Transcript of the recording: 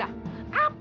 apa yang terjadi